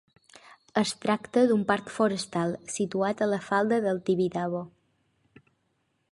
Es tracta un parc forestal, situat a la falda del Tibidabo.